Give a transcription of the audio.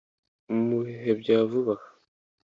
mu bihe bya vuba aha